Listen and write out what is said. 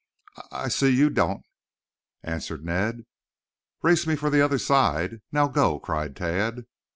"I s s s see you don't," answered Ned. "Race me for the other side. Now, go!" cried Tad.